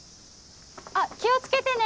あっ気を付けてね！